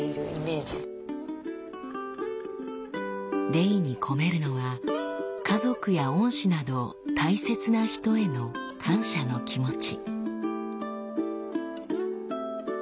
レイに込めるのは家族や恩師など大切な人への感謝の気持ち。